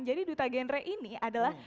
jadi duta genre ini adalah